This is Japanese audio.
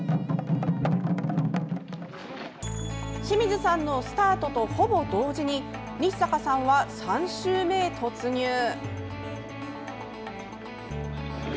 清水さんのスタートとほぼ同時に日坂さんは３周目へ突入。